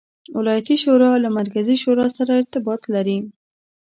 ولایتي شورا له مرکزي شورا سره ارتباط ولري.